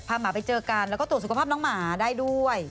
หมาไปเจอกันแล้วก็ตรวจสุขภาพน้องหมาได้ด้วย